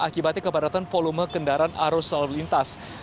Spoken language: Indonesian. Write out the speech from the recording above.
akibatnya kepadatan volume kendaraan arus lalu lintas